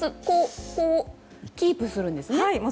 これ、キープするんですね。